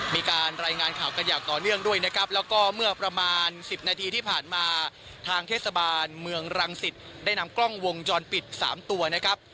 มีการรายงานข่าวกันอย่างต่อเนื่องด้วยนะครับแล้วก็เมื่อประมาณสิบนาทีที่ผ่านมาทางเทศบาลเมืองรังสิตได้นำกล้องวงจรปิด๓ตัวนะครับ